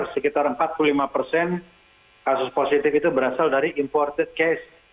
sekitar empat puluh lima persen kasus positif itu berasal dari imported case